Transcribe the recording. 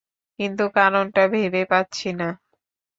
কিন্তু কারণটা ভেবে পাচ্ছি না।